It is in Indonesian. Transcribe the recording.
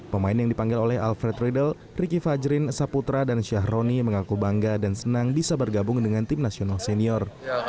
pemain yang dipanggil oleh alfred riedel ricky fajrin saputra dan syahroni mengaku bangga dan senang bisa bergabung dengan tim nasional senior